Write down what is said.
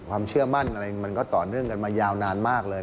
ความเชื่อมั่นอะไรมันก็ต่อเนื่องกันมายาวนานมากเลย